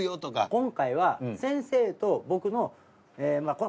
今回は先生と僕のこれ。